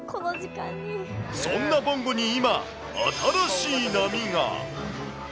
そんなぼんごに今、新しい波が。